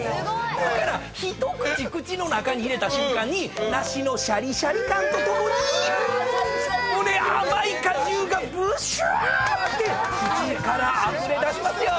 だから一口口の中に入れた瞬間に梨のシャリシャリ感とともにもうね甘い果汁がブッシュワ！って口からあふれ出しますよ。